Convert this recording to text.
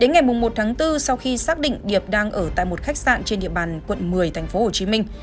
ngày một tháng bốn sau khi xác định điệp đang ở tại một khách sạn trên địa bàn quận một mươi thành phố hồ chí minh